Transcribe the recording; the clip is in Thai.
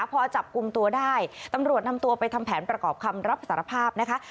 พอจับกลุ่มตัวได้ตำรวจนำตัวไปทำแผนประกอบคำรับสารภาพนะคะ